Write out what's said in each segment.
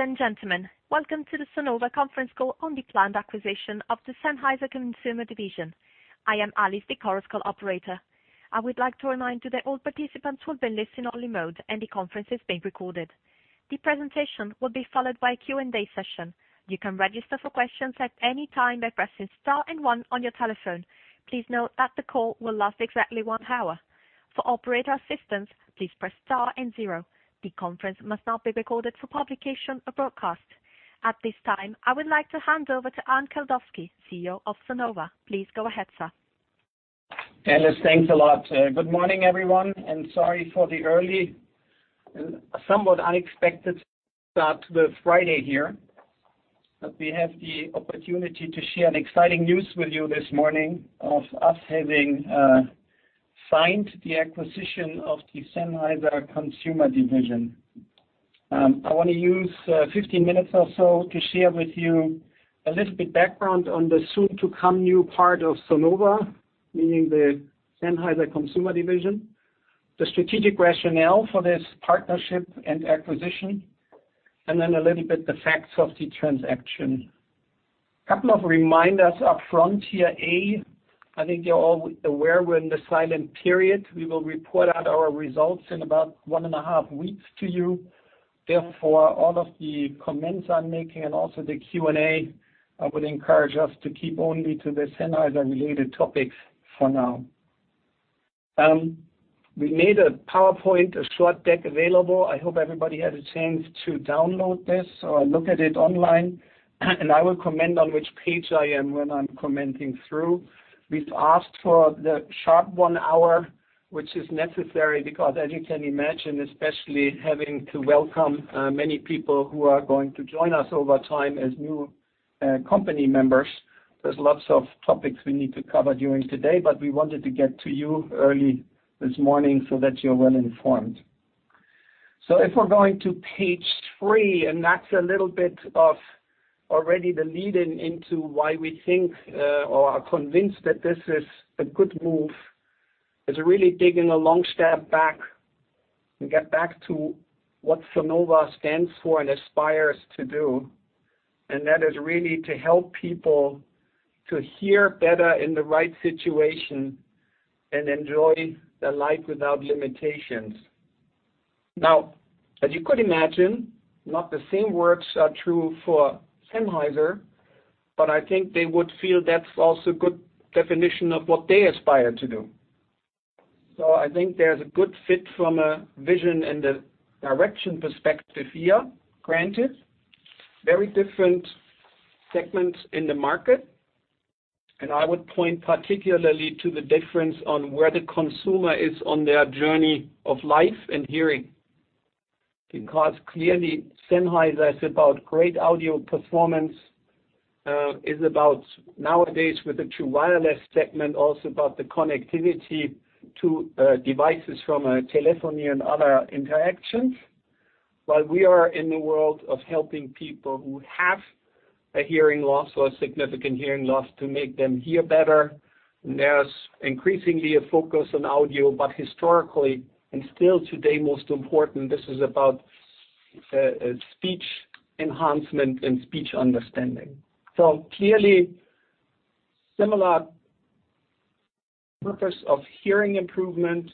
Ladies and gentlemen, welcome to the Sonova Conference Call on the planned acquisition of the Sennheiser Consumer Division. I am Alice, the Chorus Call Operator. I would like to remind you that all participants will be in listen only mode and the conference is being recorded. The presentation will be followed by a Q&A session. You can register for questions at any time by pressing star and one on your telephone. Please note that the call will last exactly one hour. For operator assistance, please press star and zero. The conference must not be recorded for publication or broadcast. At this time, I would like to hand over to Arnd Kaldowski, CEO of Sonova. Please go ahead, sir. Alice, thanks a lot. Good morning, everyone, and sorry for the early, somewhat unexpected start to the Friday here. We have the opportunity to share an exciting news with you this morning of us having signed the acquisition of the Sennheiser Consumer Division. I want to use 15 minutes or so to share with you a little bit background on the soon to come new part of Sonova, meaning the Sennheiser Consumer Division, the strategic rationale for this partnership and acquisition, and then a little bit the facts of the transaction. Couple of reminders up front here is I think you're all aware we're in the silent period. We will report out our results in about one and a half weeks to you. Therefore, all of the comments I'm making and also the Q&A, I would encourage us to keep only to the Sennheiser related topics for now. We made a PowerPoint, a short deck available. I hope everybody had a chance to download this or look at it online. I will comment on which page I am when I'm commenting through. We've asked for the sharp one hour, which is necessary because as you can imagine, especially having to welcome many people who are going to join us over time as new company members, there's lots of topics we need to cover during today. We wanted to get to you early this morning so that you're well informed. If we're going to page three, and that's a little bit of already the lead-in into why we think or are convinced that this is a good move. It's really taking a long step back and get back to what Sonova stands for and aspires to do, and that is really to help people to hear better in the right situation and enjoy their life without limitations. Now, as you could imagine, not the same words are true for Sennheiser, but I think they would feel that's also good definition of what they aspire to do. I think there's a good fit from a vision and a direction perspective here. Granted, very different segments in the market, and I would point particularly to the difference on where the consumer is on their journey of life and hearing. Clearly, Sennheiser is about great audio performance, is about nowadays with the true wireless segment, also about the connectivity to devices from a telephony and other interactions. While we are in the world of helping people who have a hearing loss or a significant hearing loss to make them hear better, there's increasingly a focus on audio, but historically and still today most important, this is about speech enhancement and speech understanding. Clearly similar purpose of hearing improvement.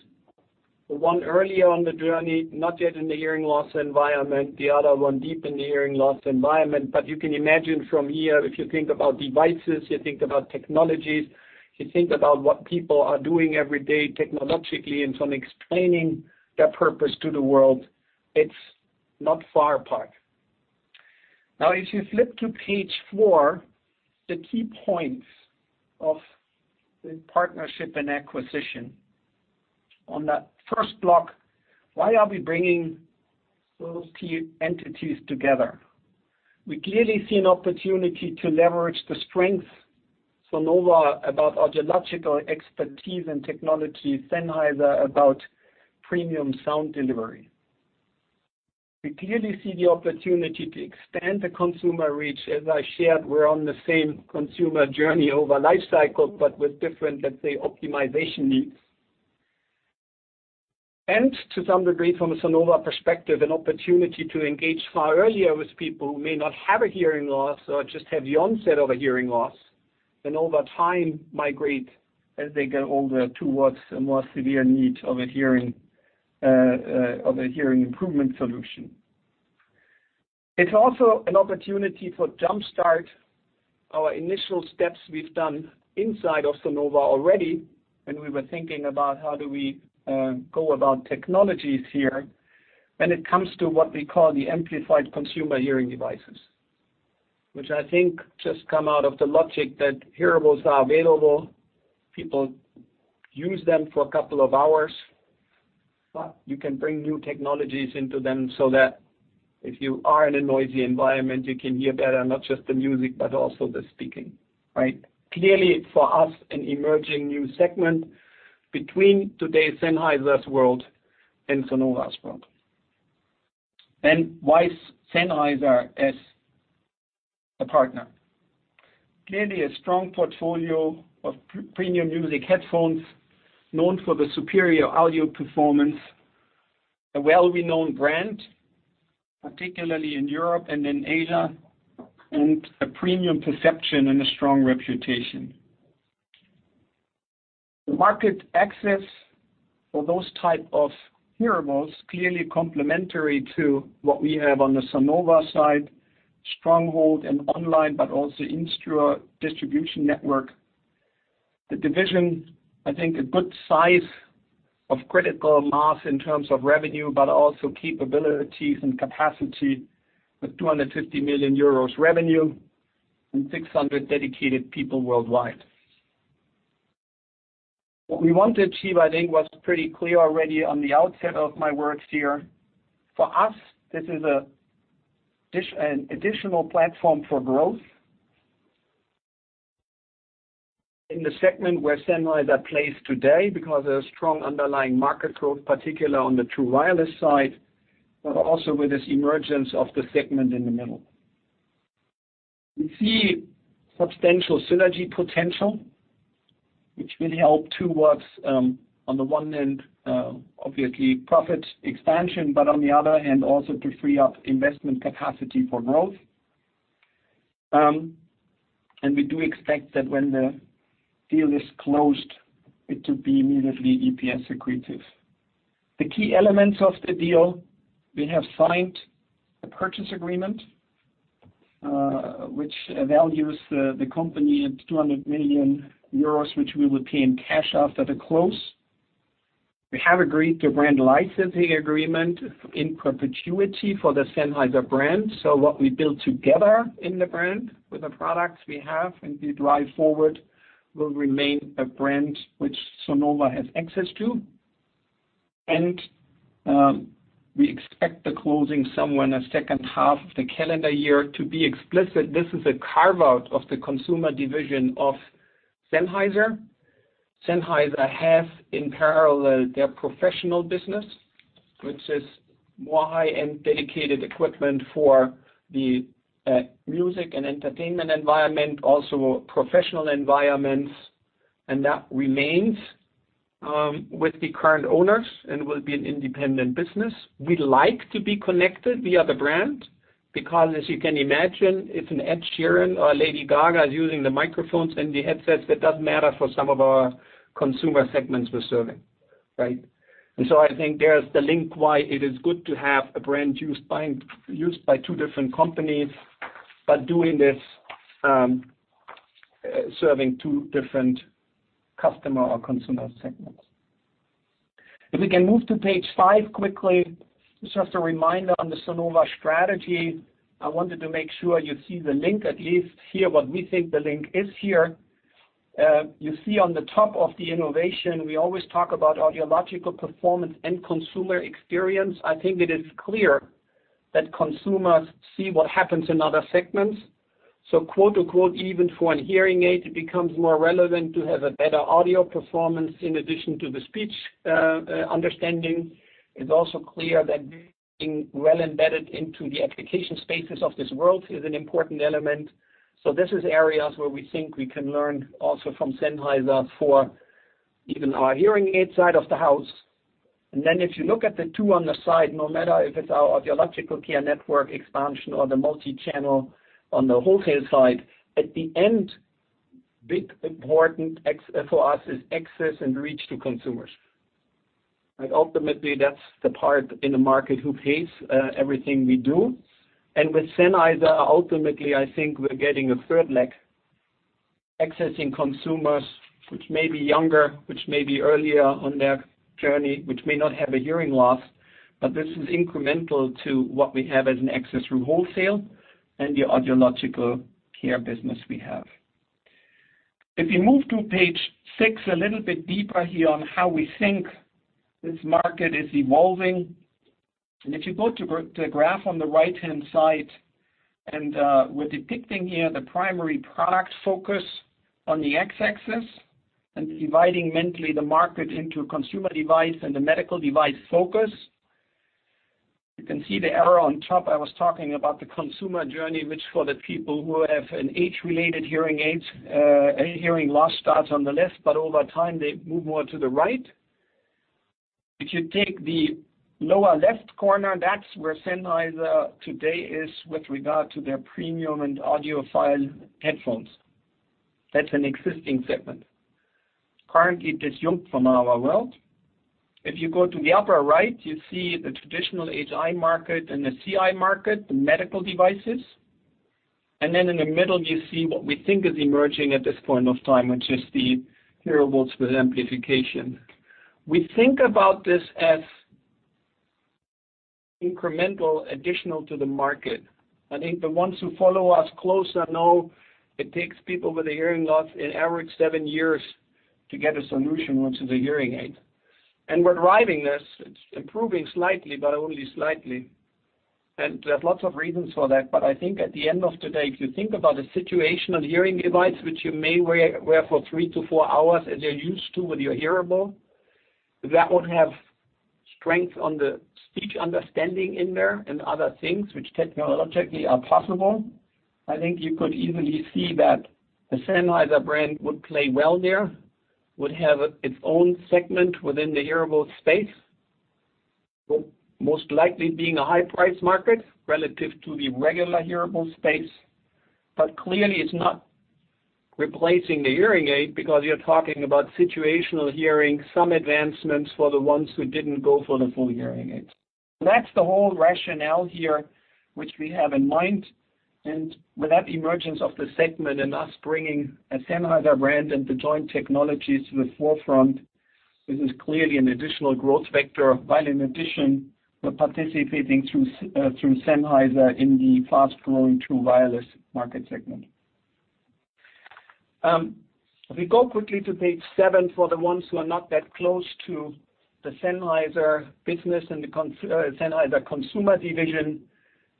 One earlier on the journey, not yet in the hearing loss environment, the other one deep in the hearing loss environment. You can imagine from here, if you think about devices, you think about technologies, you think about what people are doing every day technologically and from explaining their purpose to the world, it's not far apart. If you flip to page four, the key points of the partnership and acquisition. On that first block, why are we bringing those key entities together? We clearly see an opportunity to leverage the strength, Sonova about audiological expertise and technology, Sennheiser about premium sound delivery. We clearly see the opportunity to extend the consumer reach. As I shared, we're on the same consumer journey over life cycle, but with different, let's say, optimization needs. To some degree from a Sonova perspective, an opportunity to engage far earlier with people who may not have a hearing loss or just have the onset of a hearing loss, and over time migrate as they get older towards a more severe need of a hearing improvement solution. It's also an opportunity for jumpstart our initial steps we've done inside of Sonova already when we were thinking about how do we go about technologies here when it comes to what we call the amplified consumer hearing devices. I think just come out of the logic that hearables are available. People use them for a couple of hours. You can bring new technologies into them so that if you are in a noisy environment, you can hear better, not just the music, but also the speaking. Right? Clearly for us, an emerging new segment between today's Sennheiser's world and Sonova's world. Why Sennheiser as a partner. Clearly a strong portfolio of premium music headphones known for the superior audio performance, a well-renowned brand, particularly in Europe and in Asia, and a premium perception and a strong reputation. The market access for those type of hearables clearly complementary to what we have on the Sonova side, stronghold and online, but also in distribution network. The division, I think, a good size of critical mass in terms of revenue, but also capabilities and capacity with 250 million euros revenue and 600 dedicated people worldwide. What we want to achieve, I think, was pretty clear already on the outset of my words here. For us, this is an additional platform for growth in the segment where Sennheiser plays today because there's strong underlying market growth, particularly on the true wireless side, but also with this emergence of the segment in the middle. We see substantial synergy potential, which will help towards, on the one end, obviously profit expansion, but on the other end, also to free up investment capacity for growth. We do expect that when the deal is closed, it to be immediately EPS accretive. The key elements of the deal, we have signed a purchase agreement, which values the company at 200 million euros, which we will pay in cash after the close. We have agreed to brand licensing agreement in perpetuity for the Sennheiser brand. What we build together in the brand with the products we have, indeed drive forward, will remain a brand which Sonova has access to. We expect the closing somewhere in the second half of the calendar year. To be explicit, this is a carve-out of the consumer division of Sennheiser. Sennheiser have in parallel their professional business, which is more high-end dedicated equipment for the music and entertainment environment, also professional environments, and that remains with the current owners and will be an independent business. We like to be connected via the brand because as you can imagine, if an Ed Sheeran or Lady Gaga is using the microphones and the headsets, that does matter for some of our consumer segments we're serving, right? I think there's the link why it is good to have a brand used by two different companies, but doing this serving two different customer or consumer segments. If we can move to page five quickly, just as a reminder on the Sonova strategy. I wanted to make sure you see the link at least here, what we think the link is here. You see on the top of the innovation, we always talk about audiological performance and consumer experience. I think it is clear that consumers see what happens in other segments. Quote, unquote, even for a hearing aid, it becomes more relevant to have a better audio performance in addition to the speech understanding. It's also clear that being well embedded into the application spaces of this world is an important element. This is areas where we think we can learn also from Sennheiser for even our hearing aid side of the house. If you look at the two on the side, no matter if it's our audiological care network expansion or the multi-channel on the wholesale side, at the end, big important for us is access and reach to consumers, right? Ultimately, that's the part in the market who pays everything we do. With Sennheiser, ultimately, I think we're getting a third leg, accessing consumers which may be younger, which may be earlier on their journey, which may not have a hearing loss, but this is incremental to what we have as an access through wholesale and the audiological care business we have. If you move to page six, a little bit deeper here on how we think this market is evolving. If you go to the graph on the right-hand side, and we're depicting here the primary product focus on the X-axis and dividing mentally the market into consumer device and the medical device focus. You can see the arrow on top. I was talking about the consumer journey, which for the people who have an age-related hearing loss starts on the left, but over time, they move more to the right. If you take the lower left corner, that's where Sennheiser today is with regard to their premium and audiophile headphones. That's an existing segment. Currently disjunct from our world. If you go to the upper right, you see the traditional HI market and the CI market, the medical devices. In the middle, you see what we think is emerging at this point of time, which is the hearables with amplification. We think about this as incremental additional to the market. I think the ones who follow us closer know it takes people with a hearing loss in average seven years to get a solution, which is a hearing aid. We're driving this, it's improving slightly, but only slightly. There's lots of reasons for that. I think at the end of the day, if you think about a situational hearing device, which you may wear for three to four hours, as you're used to with your hearable. That would have strength on the speech understanding in there and other things which technologically are possible. I think you could easily see that the Sennheiser brand would play well there, would have its own segment within the hearable space, most likely being a high price market relative to the regular hearable space. Clearly, it's not replacing the hearing aid because you're talking about situational hearing, some advancements for the ones who didn't go for the full hearing aid. That's the whole rationale here, which we have in mind. With that emergence of the segment and us bringing a Sennheiser brand and the joint technologies to the forefront, this is clearly an additional growth vector, while in addition, we're participating through Sennheiser in the fast-growing true wireless market segment. If we go quickly to page seven for the ones who are not that close to the Sennheiser business and the Sennheiser Consumer Division.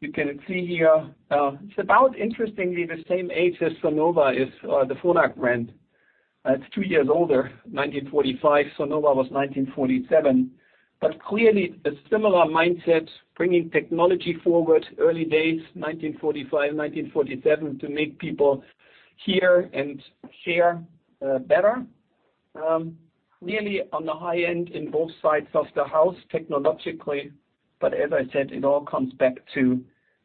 You can see here, it's about interestingly the same age as Sonova is the Phonak brand. It's two years older, 1945. Sonova was 1947. Clearly, a similar mindset, bringing technology forward, early days, 1945, 1947, to make people hear and share better. Clearly, on the high end in both sides of the house technologically, as I said, it all comes back to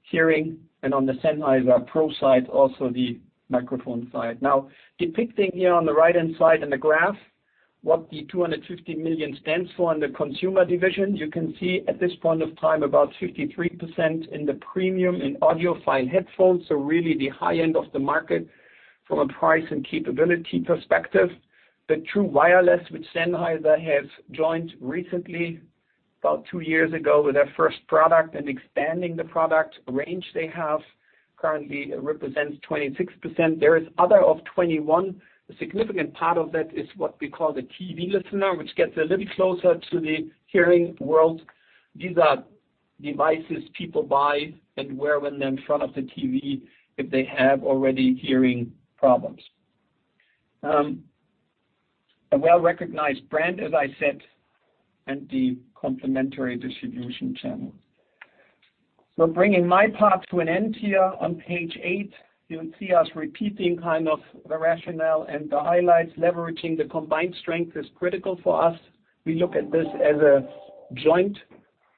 hearing, and on the Sennheiser pro side, also the microphone side. Now depicting here on the right-hand side in the graph what the 250 million stands for in the consumer division. You can see at this point of time, about 53% in the premium in audiophile headphones, so really the high end of the market from a price and capability perspective. The true wireless, which Sennheiser has joined recently, about two years ago with their first product and expanding the product range they have currently, represents 26%. There is other of 21%. A significant part of that is what we call the TV Listener, which gets a little closer to the hearing world. These are devices people buy and wear when they're in front of the TV if they have already hearing problems. A well-recognized brand, as I said, and the complementary distribution channel. Bringing my part to an end here on page eight, you'll see us repeating the rationale and the highlights. Leveraging the combined strength is critical for us. We look at this as a joint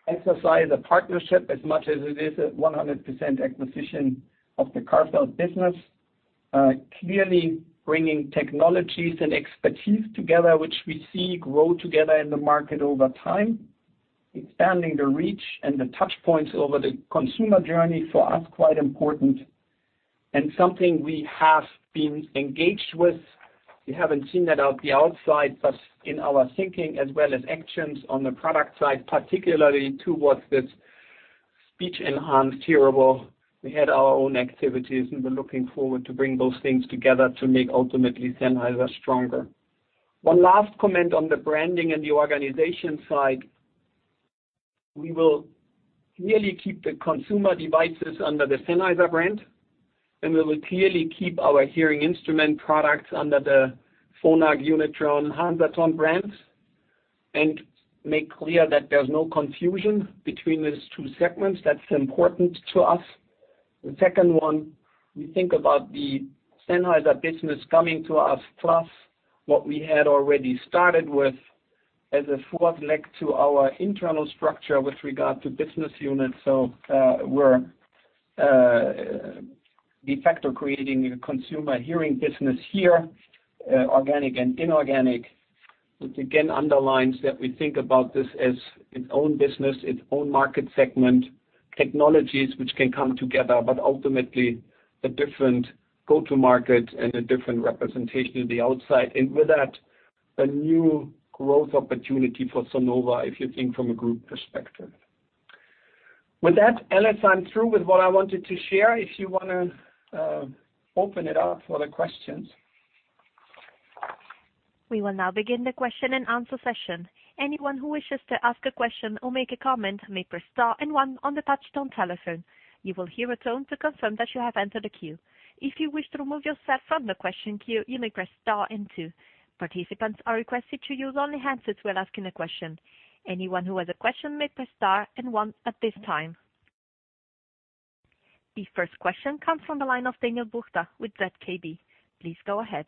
exercise, a partnership as much as it is a 100% acquisition of the carve-out business. Clearly bringing technologies and expertise together, which we see grow together in the market over time, expanding the reach and the touchpoints over the consumer journey, for us, quite important and something we have been engaged with. We haven't seen that out the outside, but in our thinking as well as actions on the product side, particularly towards this speech enhanced hearable, we had our own activities, and we're looking forward to bring those things together to make ultimately Sennheiser stronger. One last comment on the branding and the organization side. We will clearly keep the consumer devices under the Sennheiser brand, and we will clearly keep our hearing instrument products under the Phonak, Unitron, Hansaton brands, and make clear that there's no confusion between these two segments. That's important to us. The second one, we think about the Sennheiser business coming to us, plus what we had already started with as a fourth leg to our internal structure with regard to business units. We're de facto creating a consumer hearing business here, organic and inorganic, which again, underlines that we think about this as its own business, its own market segment, technologies which can come together, but ultimately a different go-to-market and a different representation in the outside. With that, a new growth opportunity for Sonova, if you think from a group perspective. With that, Alice, I'm through with what I wanted to share. If you want to open it up for the questions. The first question comes from the line of Daniel Buchta with ZKB. Please go ahead.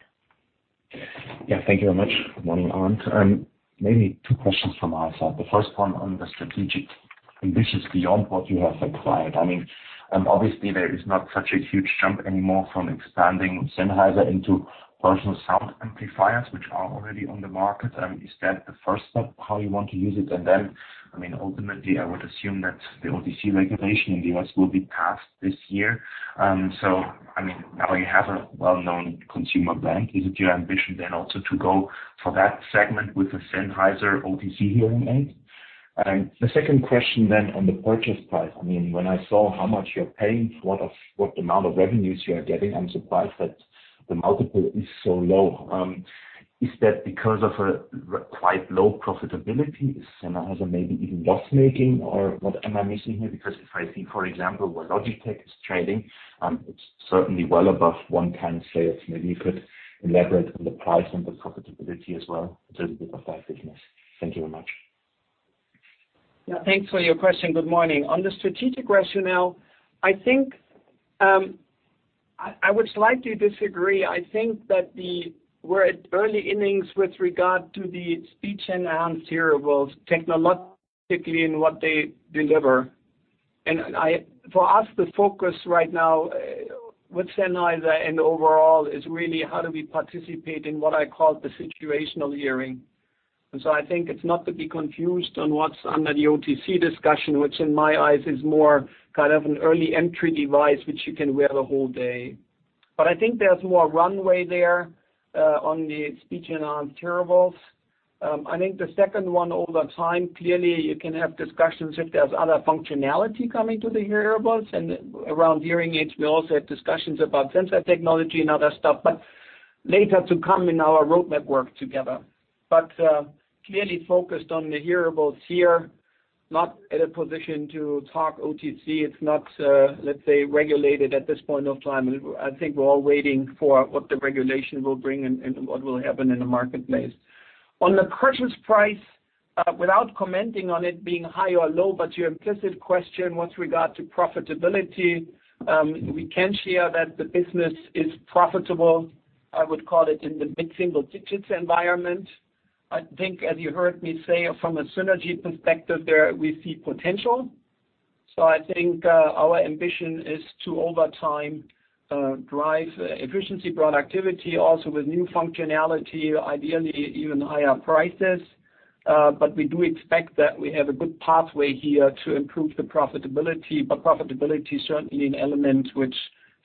Yeah, thank you very much. Good morning, Arnd. Maybe two questions from our side. The first one on the strategic ambitions beyond what you have acquired. Obviously, there is not such a huge jump anymore from expanding Sennheiser into personal sound amplifiers, which are already on the market. Is that the first step, how you want to use it? Ultimately, I would assume that the OTC regulation in the U.S. will be passed this year. Now you have a well-known consumer brand. Is it your ambition then also to go for that segment with the Sennheiser OTC hearing aid? The second question then on the purchase price. When I saw how much you're paying for the amount of revenues you are getting, I'm surprised that the multiple is so low. Is that because of a quite low profitability? Is Sennheiser maybe even loss-making, or what am I missing here? Because if I see, for example, where Logitech is trading, it is certainly well above 1x sales. Maybe you could elaborate on the price and the profitability as well, a little bit of that business. Thank you very much. Thanks for your question. Good morning. On the strategic rationale, I would slightly disagree. I think that we're at early innings with regard to the speech enhanced hearables, technologically in what they deliver. For us, the focus right now with Sennheiser and overall is really how do we participate in what I call the situational hearing? I think it's not to be confused on what's under the OTC discussion, which in my eyes is more kind of an early entry device, which you can wear the whole day. I think there's more runway there on the speech enhanced hearables. I think the second one, over time, clearly you can have discussions if there's other functionality coming to the hearables and around hearing aids. We also have discussions about sensor technology and other stuff, but later to come in our roadmap work together. Clearly focused on the hearables here, not in a position to talk OTC. It's not, let's say, regulated at this point of time. I think we're all waiting for what the regulation will bring and what will happen in the marketplace. On the purchase price, without commenting on it being high or low, but your implicit question with regard to profitability, we can share that the business is profitable. I would call it in the mid-single digits environment. I think as you heard me say from a synergy perspective there, we see potential. I think our ambition is to, over time, drive efficiency, productivity also with new functionality, ideally even higher prices. We do expect that we have a good pathway here to improve the profitability. Profitability is certainly an element which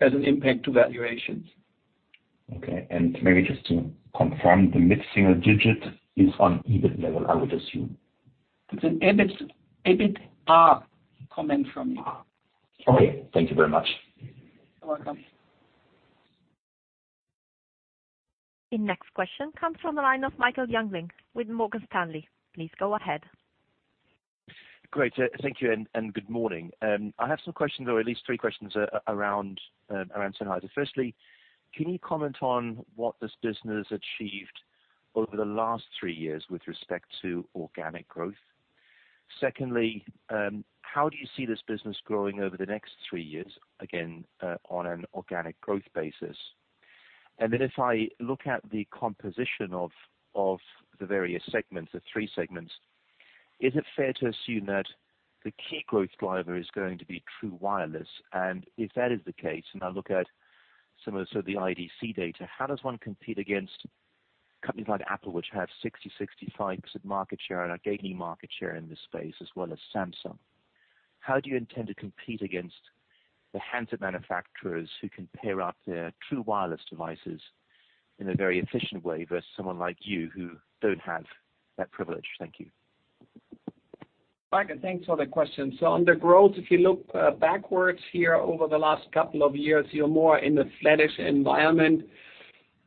has an impact to valuations. Okay. Maybe just to confirm, the mid-single digit is on EBIT level, I would assume? It's an EBITA comment from me. Okay. Thank you very much. You're welcome. The next question comes from the line of Michael Jüngling with Morgan Stanley. Please go ahead. Great. Thank you, and good morning. I have some questions, or at least three questions around Sennheiser. Firstly, can you comment on what this business achieved over the last three years with respect to organic growth? Secondly, how do you see this business growing over the next three years, again, on an organic growth basis? If I look at the composition of the various segments, the three segments, is it fair to assume that the key growth driver is going to be true wireless? If that is the case, and I look at some of the IDC data, how does one compete against companies like Apple, which have 60%-65% market share and are gaining market share in this space as well as Samsung? How do you intend to compete against the handset manufacturers who can pair up their true wireless devices in a very efficient way versus someone like you who don't have that privilege? Thank you. Michael, thanks for the question. On the growth, if you look backwards here over the last couple of years, you're more in the flattish environment.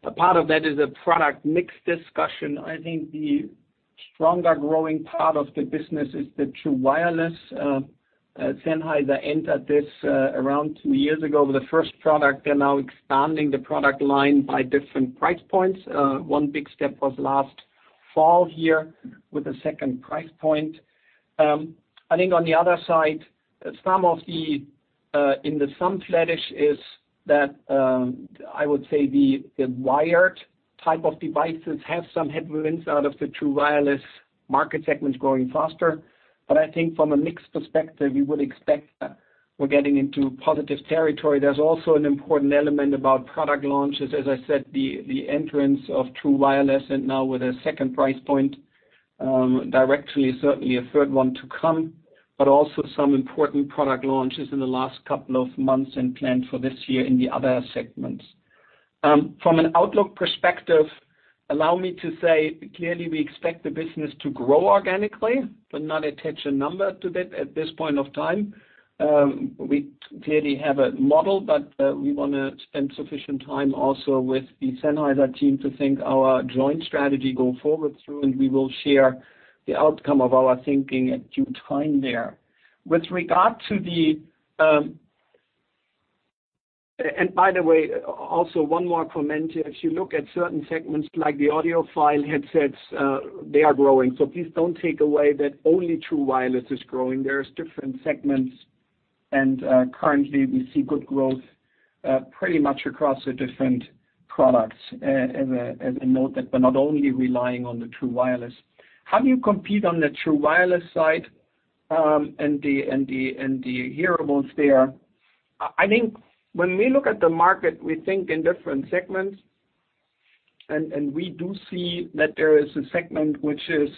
A part of that is a product mix discussion. I think the stronger growing part of the business is the true wireless. Sennheiser entered this around two years ago with the first product. They're now expanding the product line by different price points. One big step was last fall here with the second price point. I think on the other side, some of the, in the sum flattish is that I would say the wired type of devices have some headwinds out of the true wireless market segment growing faster. I think from a mix perspective, we would expect that we're getting into positive territory. There's also an important element about product launches. As I said, the entrance of true wireless and now with a second price point directly, certainly a third one to come, but also some important product launches in the last couple of months and planned for this year in the other segments. From an outlook perspective, allow me to say, clearly, we expect the business to grow organically, but not attach a number to that at this point of time. We clearly have a model, but we want to spend sufficient time also with the Sennheiser team to think our joint strategy go forward through, and we will share the outcome of our thinking at due time there. By the way, also one more comment. If you look at certain segments like the audiophile headsets, they are growing. Please don't take away that only true wireless is growing. There's different segments, and currently we see good growth pretty much across the different products as a note that we're not only relying on the true wireless. How do you compete on the true wireless side, and the hearables there? I think when we look at the market, we think in different segments, and we do see that there is a segment which is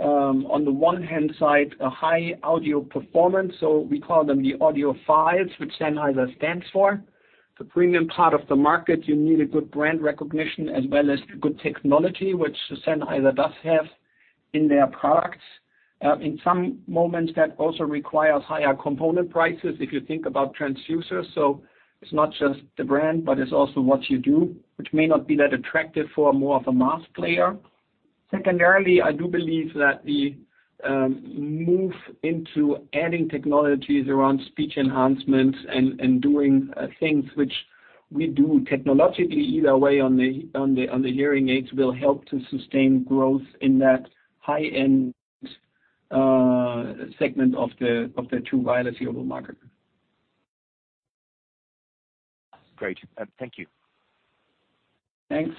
on the one hand side, a high audio performance. We call them the audiophiles, which Sennheiser stands for. The premium part of the market, you need a good brand recognition as well as good technology, which Sennheiser does have in their products. In some moments, that also requires higher component prices if you think about transducers. It's not just the brand, but it's also what you do, which may not be that attractive for more of a mass player. Secondarily, I do believe that the move into adding technologies around speech enhancements and doing things which we do technologically either way on the hearing aids will help to sustain growth in that high-end segment of the true hearables market. Great. Thank you. Thanks.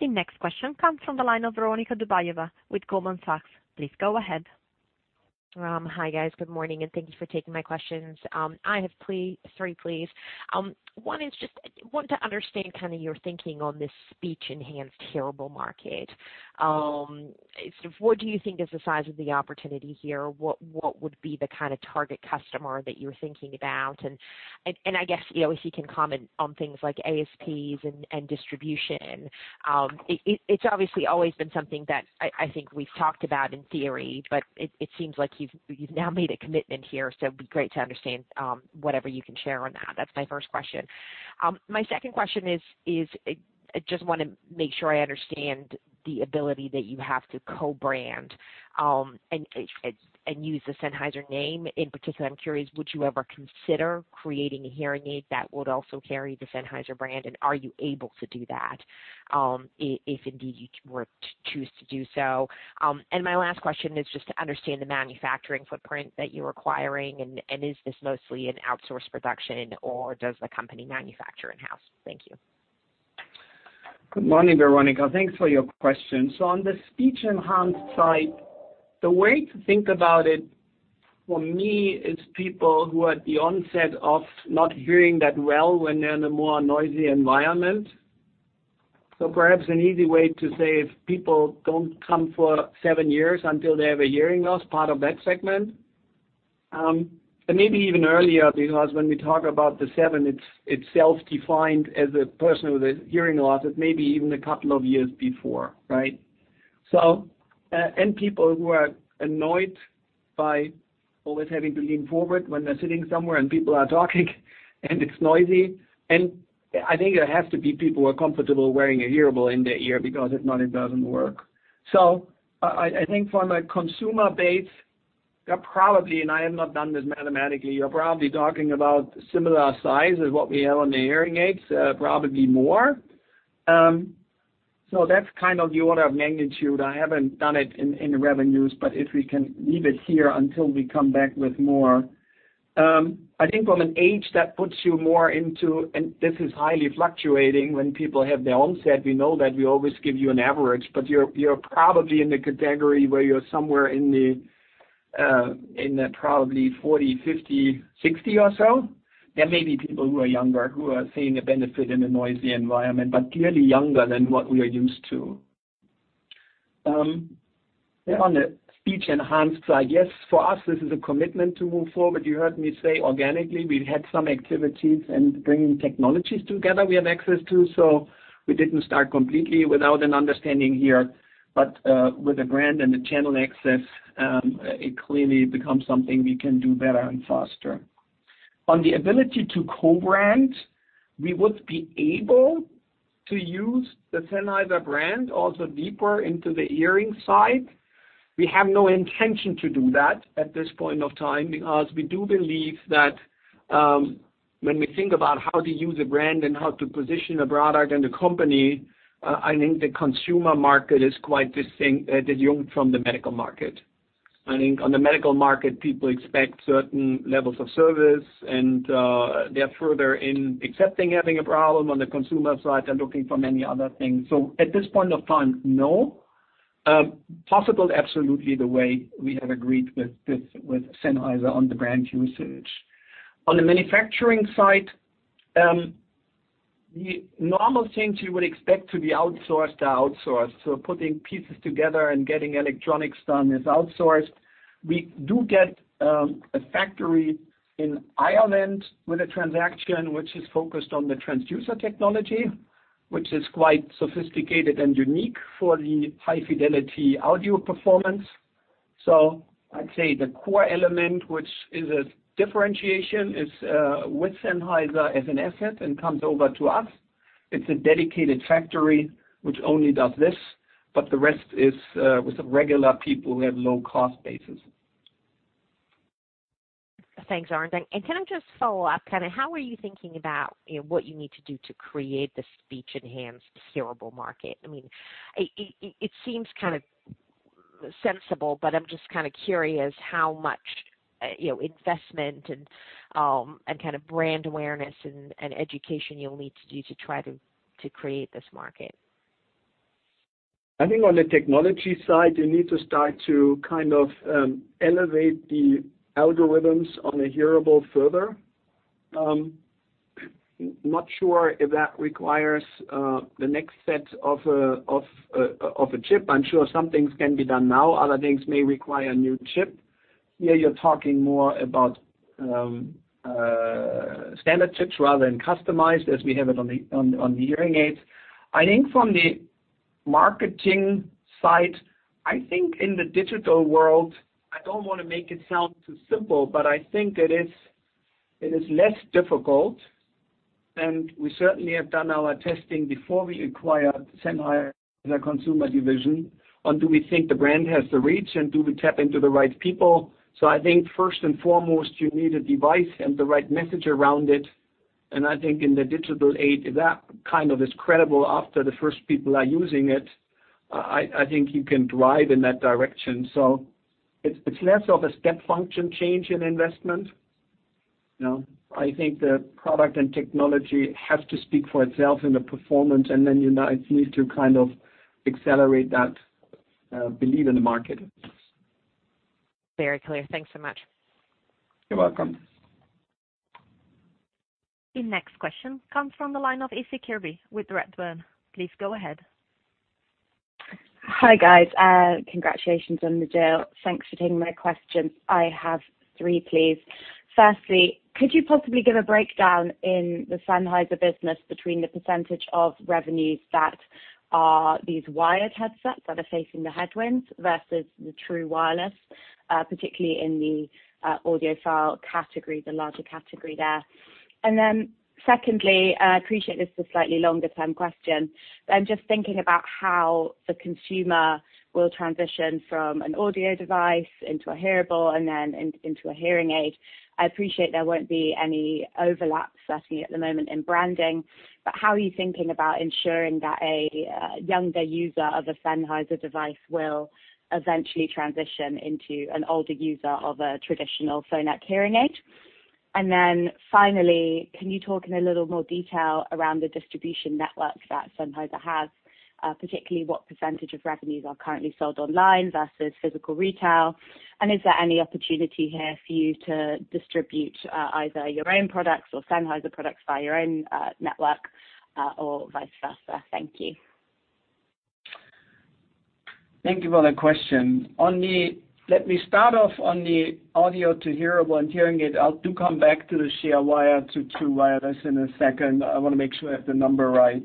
The next question comes from the line of Veronika Dubajova with Goldman Sachs. Please go ahead. Hi, guys. Good morning. Thank you for taking my questions. I have three please. One is just want to understand your thinking on this speech enhanced hearable market. What do you think is the size of the opportunity here? What would be the kind of target customer that you're thinking about? I guess, if you can comment on things like ASPs and distribution. It's obviously always been something that I think we've talked about in theory, but it seems like you've now made a commitment here, so it'd be great to understand whatever you can share on that. That's my first question. My second question is, I just want to make sure I understand the ability that you have to co-brand, and use the Sennheiser name. In particular, I'm curious, would you ever consider creating a hearing aid that would also carry the Sennheiser brand? Are you able to do that, if indeed you were to choose to do so? My last question is just to understand the manufacturing footprint that you're acquiring, and is this mostly an outsourced production, or does the company manufacture in-house? Thank you. Good morning, Veronika. Thanks for your questions. On the speech enhanced side, the way to think about it for me is people who are at the onset of not hearing that well when they're in a more noisy environment. Perhaps an easy way to say if people don't come for seven years until they have a hearing loss, part of that segment. Maybe even earlier because when we talk about the seven, it's self-defined as a person with a hearing loss, it may be even a couple of years before, right? People who are annoyed by always having to lean forward when they're sitting somewhere and people are talking and it's noisy. I think it has to be people who are comfortable wearing a hearable in their ear because if not, it doesn't work. I think from a consumer base, they're probably, and I have not done this mathematically, you're probably talking about similar size as what we have on the hearing aids, probably more. That's kind of the order of magnitude. I haven't done it in revenues, if we can leave it here until we come back with more. I think from an age that puts you more into, and this is highly fluctuating when people have the onset, we know that we always give you an average, but you're probably in the category where you're somewhere in the probably 40, 50, 60 or so. There may be people who are younger who are seeing a benefit in a noisy environment, but clearly younger than what we are used to. On the speech enhanced side, yes, for us, this is a commitment to move forward. You heard me say organically, we've had some activities and bringing technologies together we have access to, so we didn't start completely without an understanding here. With the brand and the channel access, it clearly becomes something we can do better and faster. On the ability to co-brand, we would be able to use the Sennheiser brand also deeper into the hearing side. We have no intention to do that at this point of time because we do believe that, when we think about how to use a brand and how to position a product and a company, I think the consumer market is quite distinct, different from the medical market. I think on the medical market, people expect certain levels of service and, they're further in accepting having a problem. On the consumer side, they're looking for many other things. At this point of time, no. Possible, absolutely, the way we have agreed with Sennheiser on the brand usage. On the manufacturing side, the normal things you would expect to be outsourced are outsourced. Putting pieces together and getting electronics done is outsourced. We do get a factory in Ireland with a transaction which is focused on the transducer technology, which is quite sophisticated and unique for the high-fidelity audio performance. I'd say the core element, which is a differentiation, is with Sennheiser as an asset and comes over to us. It's a dedicated factory which only does this, but the rest is with the regular people who have low-cost bases. Thanks, Arnd. Can I just follow up, how are you thinking about what you need to do to create the speech enhanced hearable market? I mean, it seems kind of sensible, but I'm just kind of curious how much investment and kind of brand awareness and education you'll need to do to try to create this market. I think on the technology side, you need to start to kind of elevate the algorithms on the hearable further. I'm not sure if that requires the next set of a chip. I'm sure some things can be done now. Other things may require a new chip. Here, you're talking more about standard chips rather than customized as we have it on the hearing aids. I think from the marketing side, I think in the digital world, I don't want to make it sound too simple, but I think it is less difficult. We certainly have done our testing before we acquired Sennheiser Consumer Division on, do we think the brand has the reach and do we tap into the right people? I think first and foremost, you need a device and the right message around it. I think in the digital age, that kind of is credible after the first people are using it. I think you can drive in that direction. It's less of a step function change in investment. I think the product and technology have to speak for itself in the performance, and then it needs to kind of accelerate that belief in the market. Very clear. Thanks so much. You're welcome. The next question comes from the line of Issie Kirby with Redburn. Please go ahead. Hi, guys. Congratulations on the deal. Thanks for taking my question. I have three, please. Firstly, could you possibly give a breakdown in the Sennheiser business between the percentage of revenues that are these wired headsets that are facing the headwinds versus the true wireless, particularly in the audiophile category, the larger category there? Secondly, I appreciate this is a slightly longer-term question, but I'm just thinking about how the consumer will transition from an audio device into a hearable and then into a hearing aid. I appreciate there won't be any overlap, certainly at the moment in branding, but how are you thinking about ensuring that a younger user of a Sennheiser device will eventually transition into an older user of a traditional Phonak hearing aid? Finally, can you talk in a little more detail around the distribution networks that Sennheiser has, particularly what percentage of revenues are currently sold online versus physical retail? Is there any opportunity here for you to distribute either your own products or Sennheiser products via your own network or vice versa? Thank you. Thank you for that question. Let me start off on the audio to hearable and hearing aid. I'll do come back to the share wire to true wireless in a second. I want to make sure I have the number right.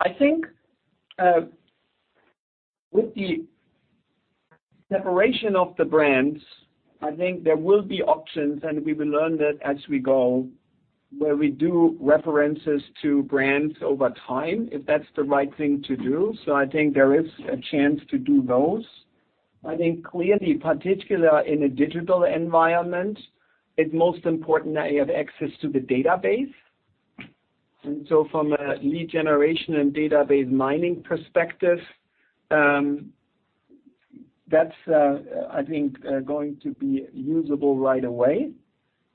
I think with the separation of the brands, I think there will be options, and we will learn that as we go, where we do references to brands over time, if that's the right thing to do. I think there is a chance to do those. I think clearly, particularly in a digital environment, it's most important that you have access to the database. From a lead generation and database mining perspective, that's, I think, going to be usable right away.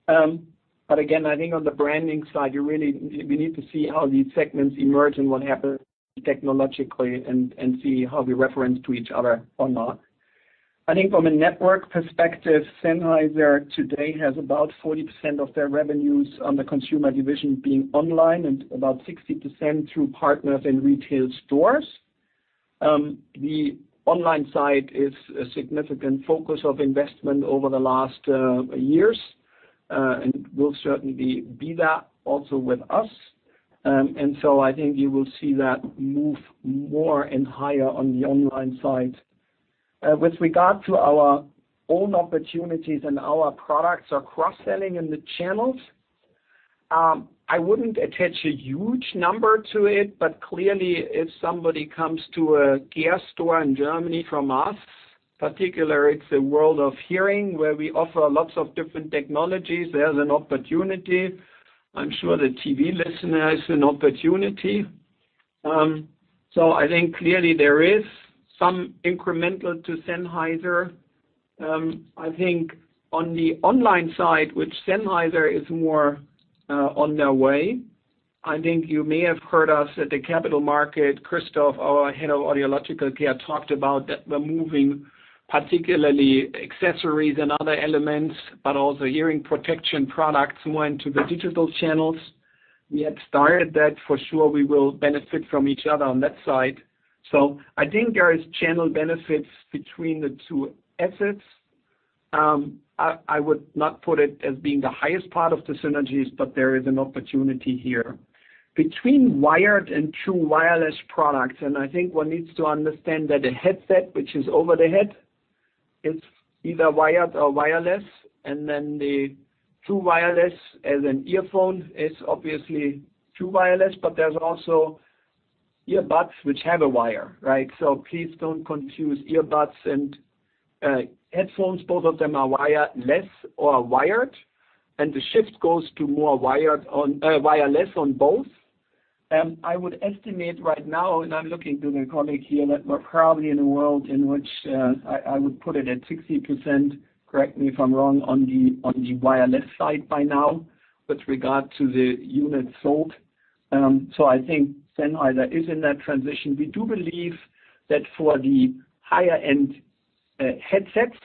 Again, I think on the branding side, we need to see how these segments emerge and what happens technologically and see how we reference to each other or not. I think from a network perspective, Sennheiser today has about 40% of their revenues on the Sennheiser Consumer Division being online and about 60% through partners in retail stores. The online side is a significant focus of investment over the last years, and will certainly be that also with us. I think you will see that move more and higher on the online side. With regard to our own opportunities and our products or cross-selling in the channels, I wouldn't attach a huge number to it, but clearly, if somebody comes to a Geers store in Germany from us, particularly it's a World of Hearing where we offer lots of different technologies, there's an opportunity. I'm sure the TV Listener has an opportunity. I think clearly there is some incremental to Sennheiser. I think on the online side, which Sennheiser is more on their way. I think you may have heard us at the capital market, Christophe, our Head of Audiological Care, talked about that we're moving particularly accessories and other elements, but also hearing protection products more into the digital channels. We had started that. For sure, we will benefit from each other on that side. I think there is channel benefits between the two assets. I would not put it as being the highest part of the synergies, but there is an opportunity here. Between wired and true wireless products, I think one needs to understand that a headset, which is over the head, it's either wired or wireless, then the true wireless as an earphone is obviously true wireless, but there's also earbuds which have a wire, right? Please don't confuse earbuds and headphones. Both of them are wireless or wired, the shift goes to more wireless on both. I would estimate right now, I'm looking to my colleague here, that we're probably in a world in which I would put it at 60%, correct me if I'm wrong, on the wireless side by now with regard to the units sold. I think Sennheiser is in that transition. We do believe that for the higher-end headsets,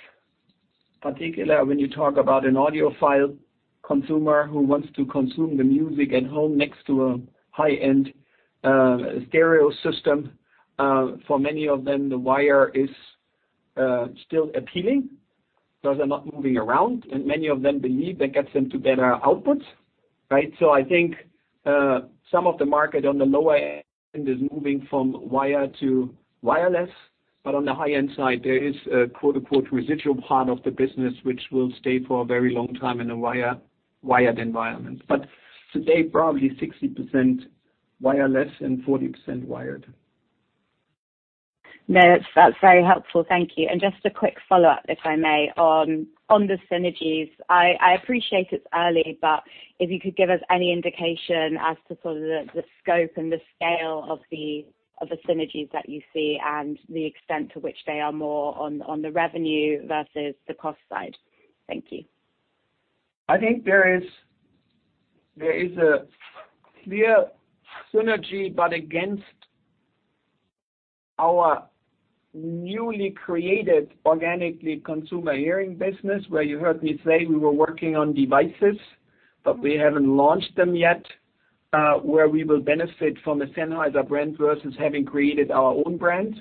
particularly when you talk about an audiophile consumer who wants to consume the music at home next to a high-end stereo system, for many of them, the wire is still appealing because they're not moving around, and many of them believe that gets them to better outputs, right? I think. Some of the market on the lower end is moving from wire to wireless, but on the high-end side, there is a residual part of the business which will stay for a very long time in a wired environment. Today, probably 60% wireless and 40% wired. No, that's very helpful. Thank you. Just a quick follow-up, if I may, on the synergies. I appreciate it's early, but if you could give us any indication as to sort of the scope and the scale of the synergies that you see and the extent to which they are more on the revenue versus the cost side. Thank you. I think there is a clear synergy, but against our newly created organically consumer hearing business, where you heard me say we were working on devices, but we haven't launched them yet, where we will benefit from the Sennheiser brand versus having created our own brand.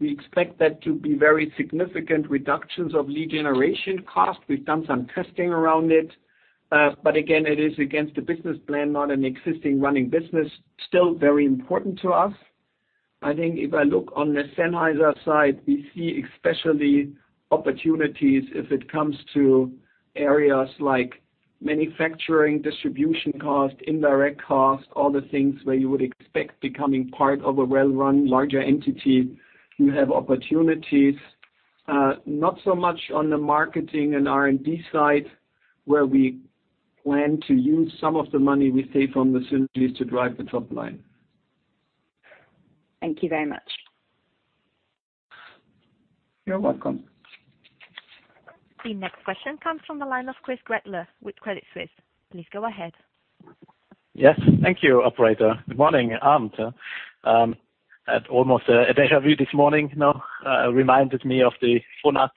We expect that to be very significant reductions of lead generation cost. We've done some testing around it. Again, it is against the business plan, not an existing running business. Still very important to us. I think if I look on the Sennheiser side, we see especially opportunities if it comes to areas like manufacturing, distribution cost, indirect cost, all the things where you would expect becoming part of a well-run larger entity, you have opportunities. Not so much on the marketing and R&D side, where we plan to use some of the money we save from the synergies to drive the top line. Thank you very much. You're welcome. The next question comes from the line of Chris Gretler with Credit Suisse. Please go ahead. Yes. Thank you, operator. Good morning, Arnd. At almost a deja vu this morning. Now, reminded me of the Phonak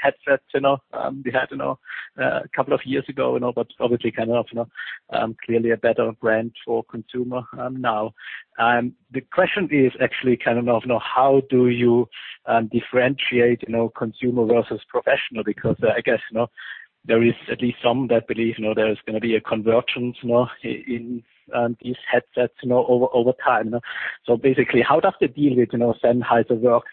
headsets we had a couple of years ago, but obviously clearly a better brand for consumer now. The question is actually, how do you differentiate consumer versus professional? I guess there is at least some that believe there is going to be a convergence in these headsets over time. Basically, how does the deal with Sennheiser work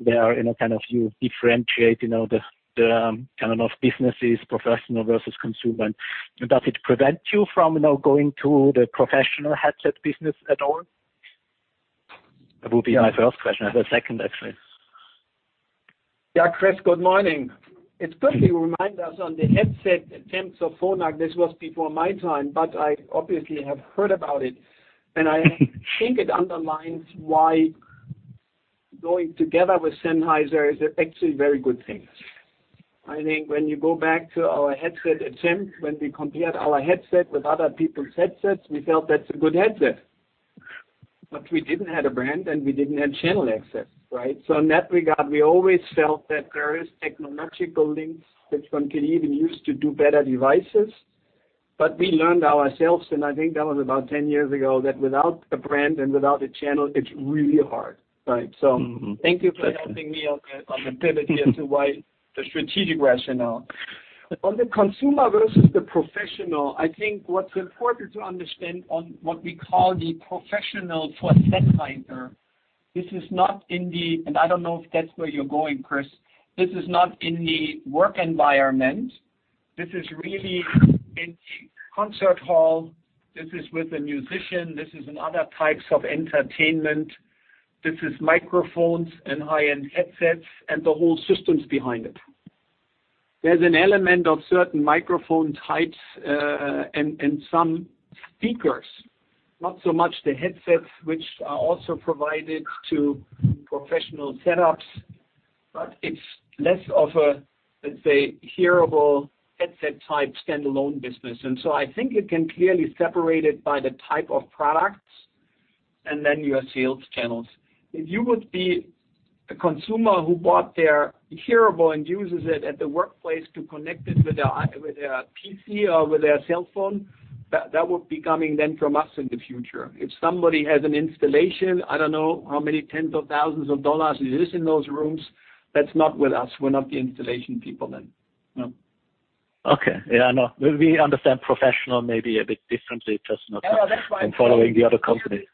there? You differentiate the businesses, professional versus consumer. Does it prevent you from now going to the professional headset business at all? That would be my first question. I have a second, actually. Yeah, Chris, good morning. It's funny you remind us on the headset attempts of Phonak. This was before my time, but I obviously have heard about it, and I think it underlines why going together with Sennheiser is actually a very good thing. I think when you go back to our headset attempt, when we compared our headset with other people's headsets, we felt that's a good headset. We didn't have a brand and we didn't have channel access, right? In that regard, we always felt that there is technological links which one can even use to do better devices. We learned ourselves, and I think that was about 10 years ago, that without a brand and without a channel, it's really hard, right? Thank you for helping me on the pivot here to why the strategic rationale. On the consumer versus the professional, I think what's important to understand on what we call the professional for Sennheiser, this is not and I don't know if that's where you're going, Chris. This is not in the work environment. This is really in the concert hall. This is with the musician. This is in other types of entertainment. This is microphones and high-end headsets and the whole systems behind it. There's an element of certain microphone types and some speakers. Not so much the headsets which are also provided to professional setups, but it's less of a, let's say, hearable headset-type standalone business. I think it can clearly separate it by the type of products and then your sales channels. If you would be a consumer who bought their hearable and uses it at the workplace to connect it with their PC or with their cell phone, that would be coming then from us in the future. If somebody has an installation, I don't know how many tens of thousands of dollars it is in those rooms, that's not with us. We're not the installation people then. Okay. Yeah, no. We understand professional may be a bit differently. Oh, that's right. I'm following the other companies.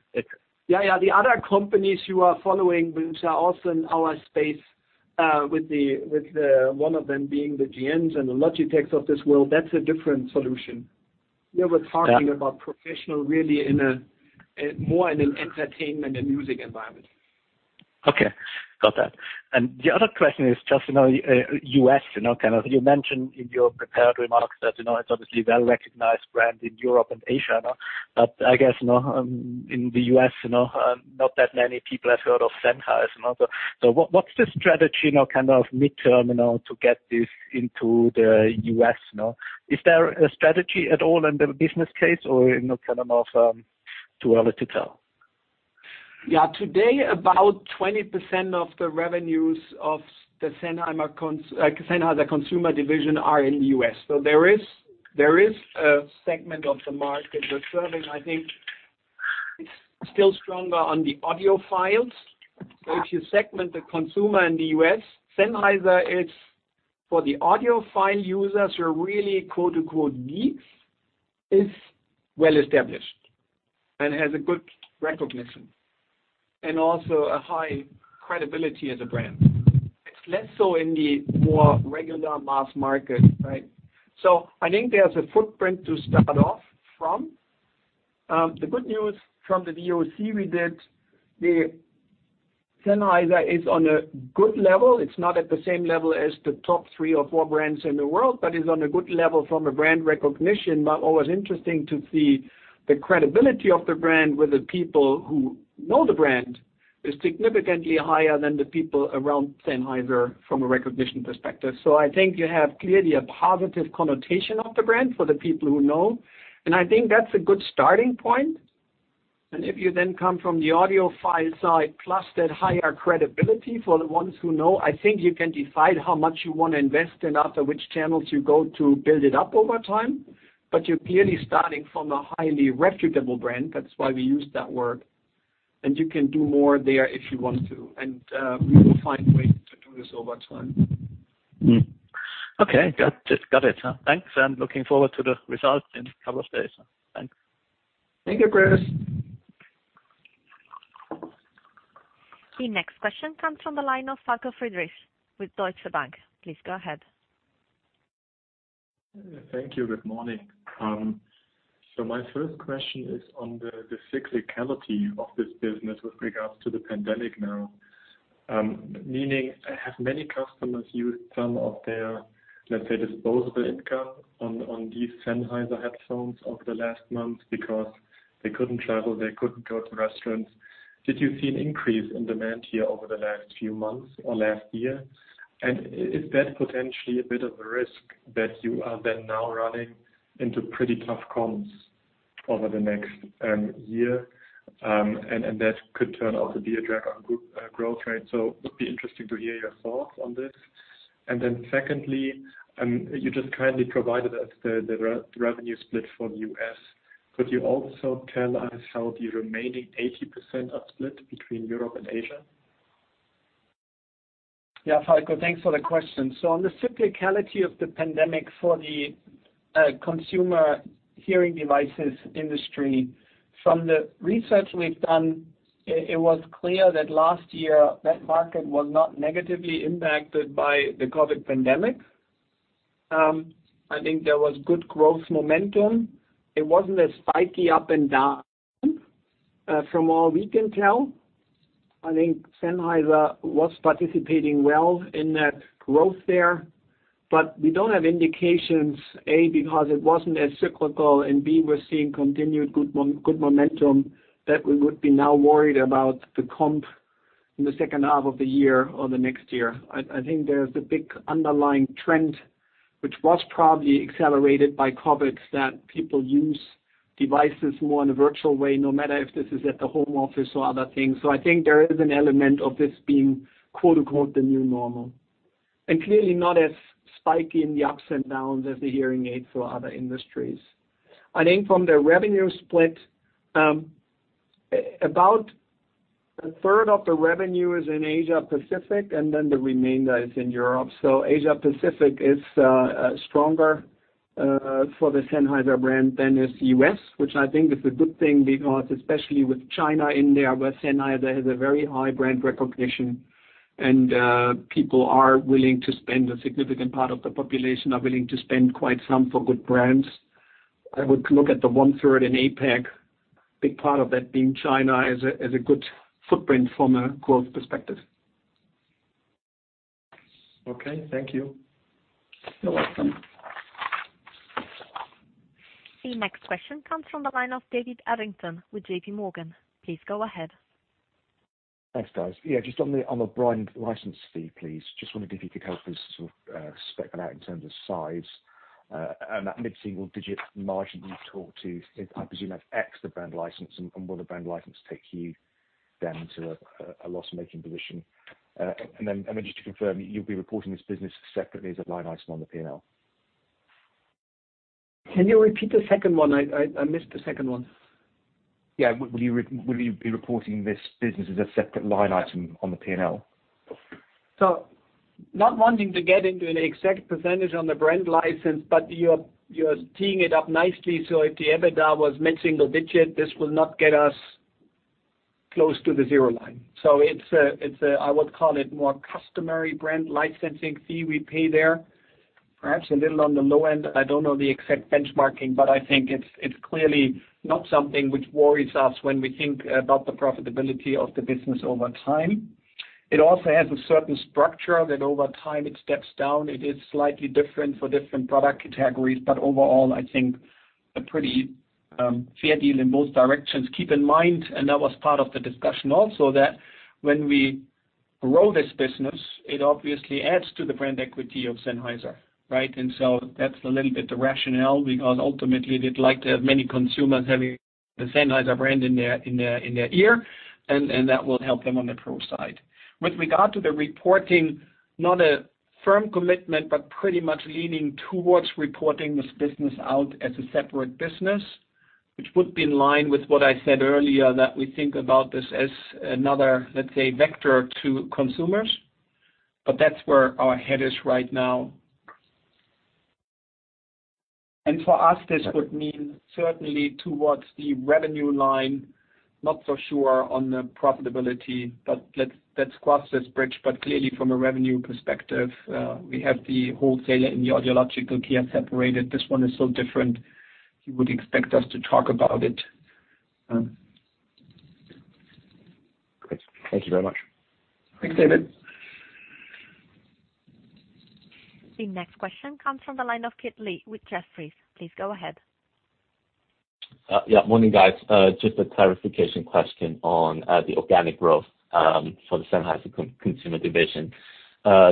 The other companies you are following, which are also in our space, with one of them being the GNs and the Logitechs of this world, that's a different solution. Here we're talking about professional really in a more in an entertainment and music environment. Okay. Got that. The other question is just, U.S., you mentioned in your prepared remarks that it's obviously a well-recognized brand in Europe and Asia. I guess in the U.S., not that many people have heard of Sennheiser. What's the strategy now, kind of midterm, to get this into the U.S. now? Is there a strategy at all in the business case or, kind of, too early to tell? Yeah. Today, about 20% of the revenues of the Sennheiser Consumer Division are in the U.S. There is a segment of the market we're serving, I think still stronger on the audiophiles. If you segment the consumer in the U.S. Sennheiser is for the audiophile users who are really geeks, is well established and has a good recognition, and also a high credibility as a brand. It's less so in the more regular mass market, right? I think there's a footprint to start off from. The good news from the VOC we did, Sennheiser is on a good level. It's not at the same level as the top three or four brands in the world, but is on a good level from a brand recognition. Always interesting to see the credibility of the brand with the people who know the brand is significantly higher than the people around Sennheiser from a recognition perspective. I think you have clearly a positive connotation of the brand for the people who know, and I think that's a good starting point. If you then come from the audiophile side plus that higher credibility for the ones who know, I think you can decide how much you want to invest and after which channels you go to build it up over time. You're clearly starting from a highly reputable brand, that's why we use that word, and you can do more there if you want to. We will find ways to do this over time. Okay. Got it. Thanks, and looking forward to the results in a couple of days. Thanks. Thank you, Chris. The next question comes from the line of Falko Friedrichs with Deutsche Bank. Please go ahead. Thank you. Good morning. My first question is on the cyclicality of this business with regards to the pandemic now. Meaning, have many customers used some of their, let's say, disposable income on these Sennheiser headphones over the last month because they couldn't travel, they couldn't go to restaurants? Did you see an increase in demand here over the last few months or last year? Is that potentially a bit of a risk that you are then now running into pretty tough comps over the next year? That could turn out to be a drag on group growth rate. Would be interesting to hear your thoughts on this. Secondly, you just kindly provided us the revenue split for the U.S. Could you also tell us how the remaining 80% are split between Europe and Asia? Yeah, Falko, thanks for the question. On the cyclicality of the pandemic for the consumer hearing devices industry, from the research we've done, it was clear that last year that market was not negatively impacted by the COVID pandemic. I think there was good growth momentum. It wasn't as spiky up and down from all we can tell. I think Sennheiser was participating well in that growth there, but we don't have indications. A, because it wasn't as cyclical, and B, we're seeing continued good momentum that we would be now worried about the comp in the second half of the year or the next year. I think there's the big underlying trend, which was probably accelerated by COVID, that people use devices more in a virtual way, no matter if this is at the home office or other things. I think there is an element of this being the new normal. Clearly not as spiky in the ups and downs as the hearing aid for other industries. I think from the revenue split, about 1/3 of the revenue is in Asia Pacific, the remainder is in Europe. Asia Pacific is stronger for the Sennheiser brand than is U.S., which I think is a good thing because especially with China in there, where Sennheiser has a very high brand recognition and people are willing to spend, a significant part of the population are willing to spend quite some for good brands. I would look at the 1/3 in APAC, big part of that being China as a good footprint from a growth perspective. Okay, thank you. You're welcome. The next question comes from the line of David Adlington with JPMorgan. Please go ahead. Thanks, guys. Yeah, just on the brand license fee, please. Just wondering if you could help us sort of spec that out in terms of size. That mid-single digit margin you talk to, I presume, has ex the brand license and will the brand license take you then to a loss-making position? Just to confirm, you'll be reporting this business separately as a line item on the P&L? Can you repeat the second one? I missed the second one. Yeah. Will you be reporting this business as a separate line item on the P&L? Not wanting to get into an exact percentage on the brand license, but you're teeing it up nicely. If the EBITDA was mid-single digit, this will not get us close to the zero line. It's a, I would call it, more customary brand licensing fee we pay there. Perhaps a little on the low end. I don't know the exact benchmarking, but I think it's clearly not something which worries us when we think about the profitability of the business over time. It also has a certain structure that over time it steps down. It is slightly different for different product categories. Overall, I think a pretty fair deal in both directions. Keep in mind, and that was part of the discussion also, that when we grow this business, it obviously adds to the brand equity of Sennheiser, right? That's a little bit the rationale, because ultimately we'd like to have many consumers having the Sennheiser brand in their ear. That will help them on the pro side. With regard to the reporting, not a firm commitment, but pretty much leaning towards reporting this business out as a separate business, which would be in line with what I said earlier, that we think about this as another, let's say, vector to consumers. That's where our head is right now. For us, this would mean certainly towards the revenue line, not so sure on the profitability, but let's cross this bridge. Clearly from a revenue perspective, we have the wholesaler and the audiological care separated. This one is so different, you would expect us to talk about it. Great. Thank you very much. Thanks, David. The next question comes from the line of Kit Lee with Jefferies. Please go ahead. Yeah. Morning, guys. Just a clarification question on the organic growth for the Sennheiser Consumer Division.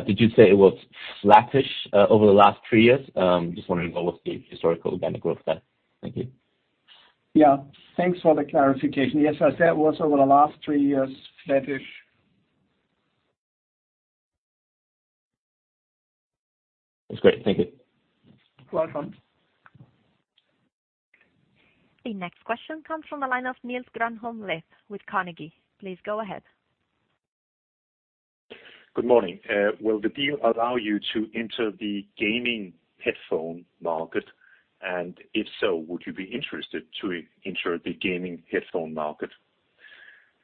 Did you say it was flattish over the last three years? Just wondering what was the historical organic growth there. Thank you. Yeah. Thanks for the clarification. Yes, as that was over the last three years, flattish. That's great. Thank you. You're welcome. The next question comes from the line of Niels Granholm-Leth with Carnegie. Please go ahead. Good morning. Will the deal allow you to enter the gaming headphone market? If so, would you be interested to enter the gaming headphone market?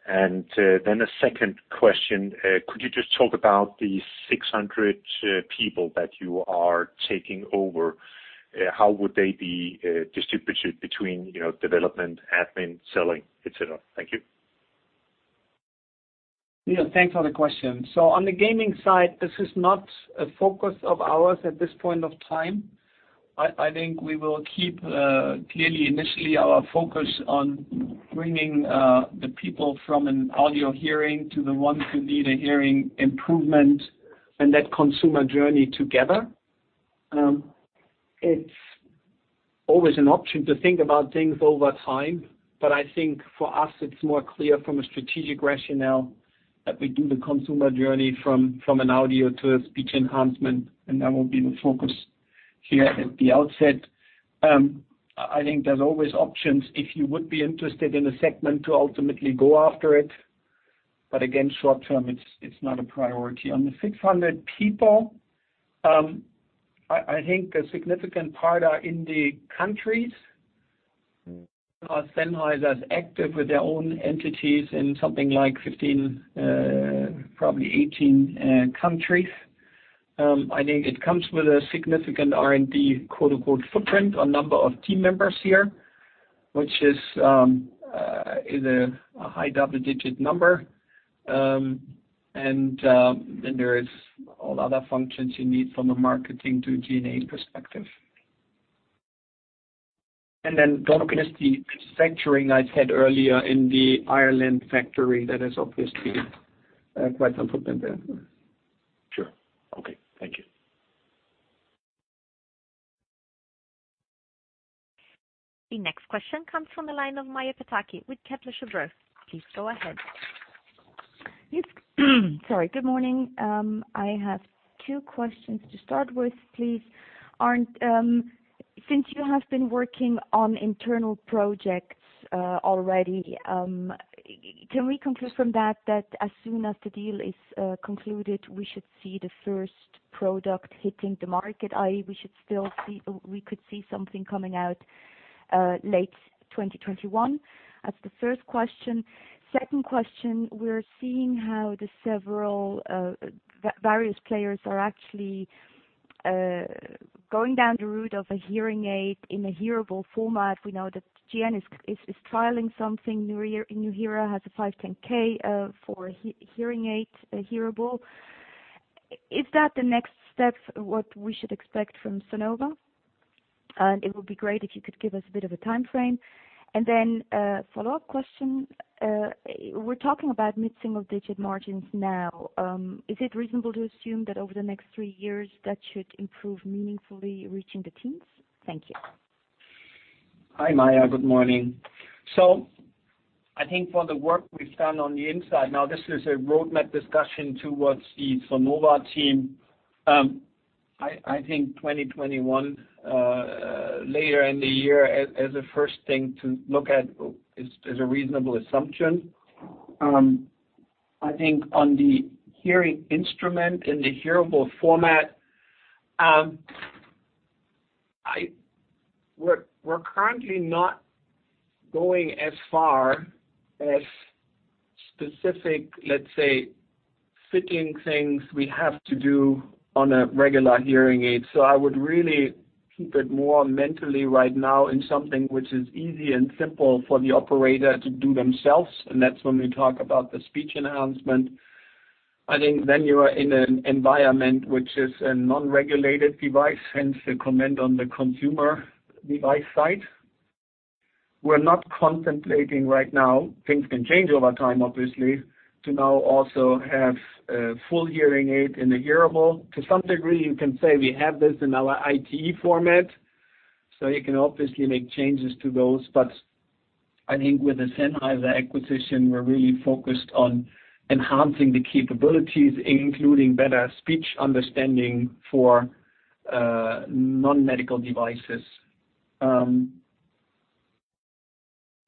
A second question. Could you just talk about the 600 people that you are taking over? How would they be distributed between development, admin, selling, et cetera? Thank you. Niels, Thanks for the question. On the gaming side, this is not a focus of ours at this point of time. I think we will keep clearly initially our focus on bringing the people from an audio hearing to the ones who need a hearing improvement and that consumer journey together. It's always an option to think about things over time, but I think for us it's more clear from a strategic rationale that we do the consumer journey from an audio to a speech enhancement, and that will be the focus here at the outset. I think there's always options, if you would be interested in a segment, to ultimately go after it. Again, short term, it's not a priority. On the 600 people, I think a significant part are in the countries because Sennheiser is active with their own entities in something like 15, probably 18 countries. I think it comes with a significant R&D footprint on number of team members here, which is a high double-digit number. There is all other functions you need from a marketing to a G&A perspective. Don't forget the manufacturing I said earlier in the Ireland factory that is obviously quite significant there. Sure. Okay. Thank you. The next question comes from the line of Maja Pataki with Kepler Cheuvreux. Please go ahead. Yes. Sorry. Good morning. I have two questions to start with, please. Since you have been working on internal projects already, can we conclude from that as soon as the deal is concluded, we should see the first product hitting the market, i.e., we could see something coming out late 2021? That's the first question. Second question, we're seeing how the various players are actually going down the route of a hearing aid in a hearable format. We know that GN is trialing something. Nuheara has a 510(k) for a hearing aid, a hearable. Is that the next step, what we should expect from Sonova? It would be great if you could give us a bit of a timeframe. A follow-up question. We're talking about mid-single-digit margins now. Is it reasonable to assume that over the next three years, that should improve meaningfully reaching the teens? Thank you. Hi, Maja. Good morning. I think for the work we've done on the inside, now this is a roadmap discussion towards the Sonova team. 2021, later in the year as a first thing to look at is a reasonable assumption. On the hearing instrument in the hearable format, we're currently not going as far as specific, let's say, fitting things we have to do on a regular hearing aid. I would really keep it more mentally right now in something which is easy and simple for the operator to do themselves, and that's when we talk about the speech enhancement. Then you are in an environment which is a non-regulated device, hence the comment on the consumer device side. We're not contemplating right now, things can change over time, obviously, to now also have a full hearing aid in a hearable. To some degree, you can say we have this in our ITE format. You can obviously make changes to those, but I think with the Sennheiser acquisition, we're really focused on enhancing the capabilities, including better speech understanding for non-medical devices. On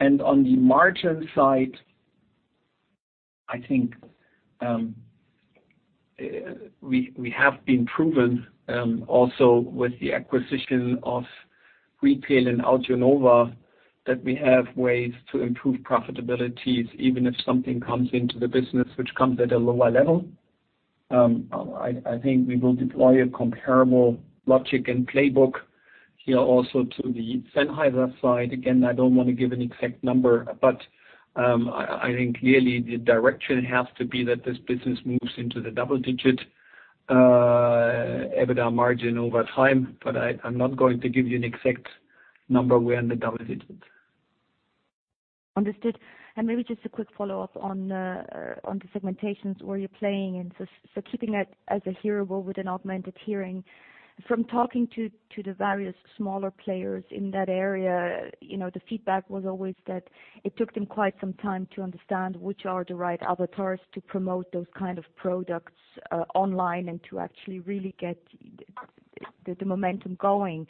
the margin side, I think we have been proven, also with the acquisition of Retail and AudioNova, that we have ways to improve profitabilities, even if something comes into the business, which comes at a lower level. I think we will deploy a comparable logic and playbook here also to the Sennheiser side. Again, I I don't want to give an exact number, but I think clearly the direction has to be that this business moves into the double-digit EBITDA margin over time. I'm not going to give you an exact number where in the double-digit. Understood. Maybe just a quick follow-up on the segmentations where you're playing and so keeping it as a hearable with an augmented hearing. From talking to the various smaller players in that area, the feedback was always that it took them quite some time to understand which are the right avatars to promote those kind of products online and to actually really get the momentum going.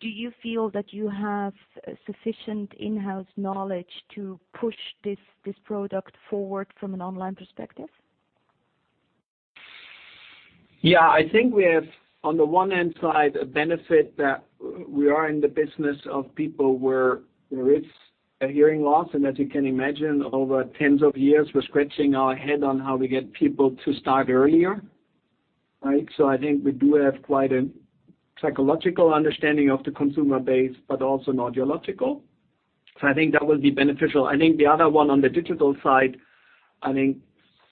Do you feel that you have sufficient in-house knowledge to push this product forward from an online perspective? Yeah, I think we have, on the one hand side, a benefit that we are in the business of people where there is a hearing loss, and as you can imagine, over tens of years, we're scratching our head on how we get people to start earlier. Right? I think we do have quite a psychological understanding of the consumer base, but also audiological. I think that will be beneficial. I think the other one on the digital side, I think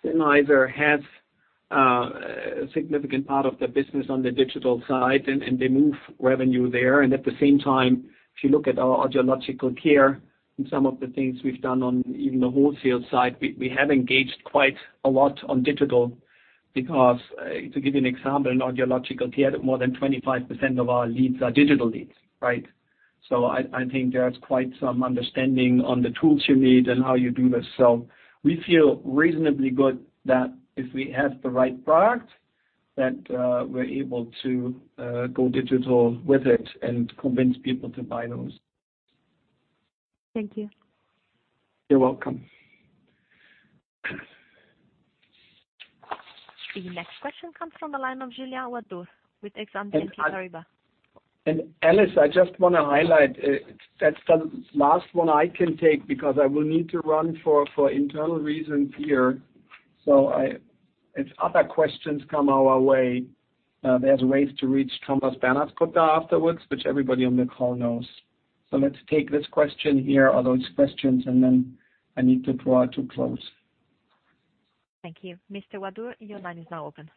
Sennheiser has a significant part of their business on the digital side, and they move revenue there. At the same time, if you look at our audiological care and some of the things we've done on even the wholesale side, we have engaged quite a lot on digital because, to give you an example, in audiological care, more than 25% of our leads are digital leads, right? I think there's quite some understanding on the tools you need and how you do this. We feel reasonably good that if we have the right product, that we're able to go digital with it and convince people to buy those. Thank you. You're welcome. The next question comes from the line of Julien Ouaddour with Exane BNP Paribas. Alice, I just want to highlight, that's the last one I can take because I will need to run for internal reasons here. If other questions come our way, there's ways to reach Thomas Bernhardsgrütter afterwards, which everybody on the call knows. Let's take this question here, or those questions, and then I need to draw to close. Thank you. Mr. Ouaddour, your line is now open.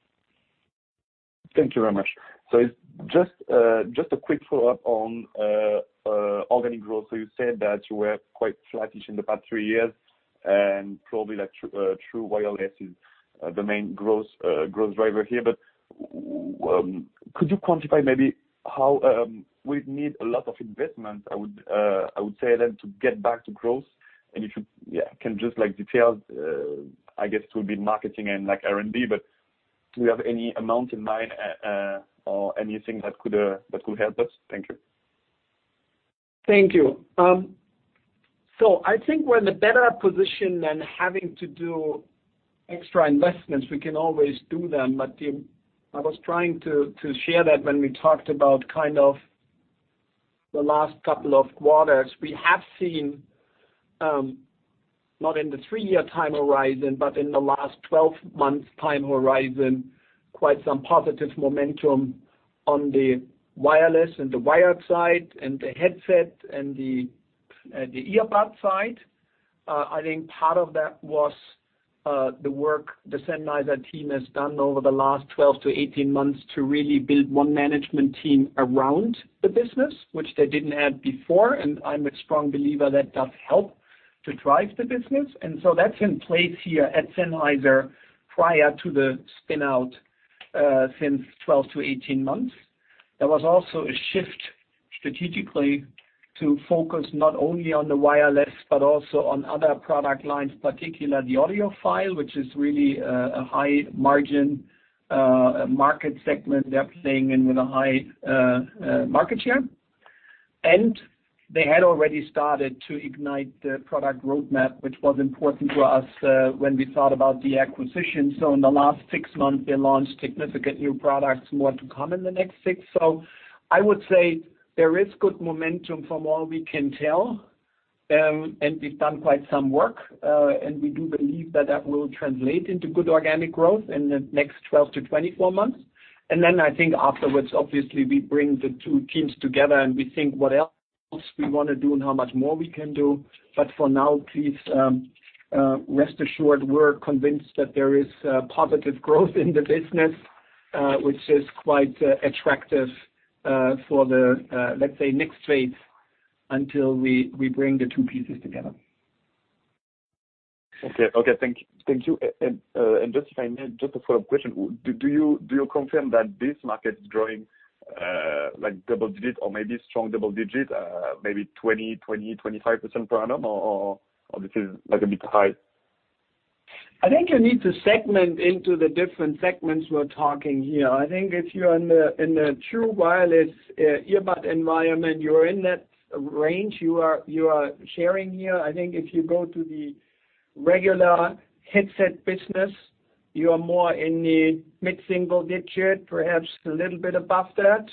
Thank you very much. It's just a quick follow-up on organic growth. You said that you were quite flattish in the past three years, and probably that true wireless is the main growth driver here. Could you quantify maybe, would it need a lot of investment, I would say then, to get back to growth? If you can just like detail, I guess it would be marketing and like R&D, but do you have any amount in mind or anything that could help us? Thank you. Thank you. I think we're in the better position than having to do extra investments. We can always do them, I was trying to share that when we talked about kind of the last couple of quarters. We have seen, not in the three-year time horizon, but in the last 12 months time horizon, quite some positive momentum on the wireless and the wired side and the headset and the earbud side. I think part of that was the work the Sennheiser team has done over the last 12-18 months to really build one management team around the business, which they didn't have before, and I'm a strong believer that does help to drive the business. That's in place here at Sennheiser prior to the spin-out, since 12-18 months. There was also a shift strategically to focus not only on the wireless, but also on other product lines, particularly the audiophile, which is really a high-margin market segment they're playing in with a high market share. They had already started to ignite the product roadmap, which was important to us when we thought about the acquisition. In the last six months, they launched significant new products, more to come in the next six. I would say there is good momentum from all we can tell, and we've done quite some work. We do believe that that will translate into good organic growth in the next 12-24 months. Then I think afterwards, obviously, we bring the two teams together, and we think what else we want to do and how much more we can do. For now, please rest assured, we're convinced that there is positive growth in the business, which is quite attractive for the, let's say, next phase until we bring the two pieces together. Okay. Thank you. Just if I may, just a follow-up question. Do you confirm that this market is growing like double-digit or maybe strong double-digit, maybe 20%-25% per annum? This is like a bit high? I think you need to segment into the different segments we're talking here. I think if you're in the true wireless earbud environment, you're in that range you are sharing here. I think if you go to the regular headset business, you are more in the mid-single digit, perhaps a little bit above that.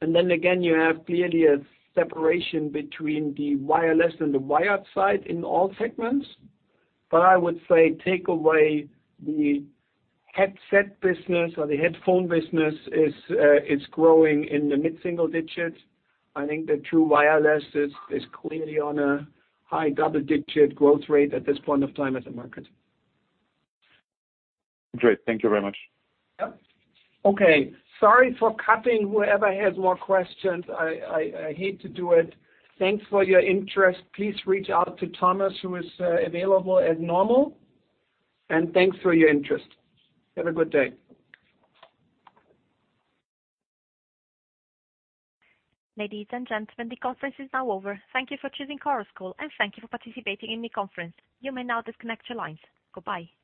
Then again, you have clearly a separation between the wireless and the wired side in all segments. I would say take away the headset business or the headphone business is growing in the mid-single digits. I think the true wireless is clearly on a high double-digit growth rate at this point of time as a market. Great. Thank you very much. Yeah. Okay. Sorry for cutting whoever has more questions. I hate to do it. Thanks for your interest. Please reach out to Thomas, who is available as normal. Thanks for your interest. Have a good day. Ladies and gentlemen, the conference is now over. Thank you for choosing Chorus Call, and thank you for participating in the conference. You may now disconnect your lines. Goodbye.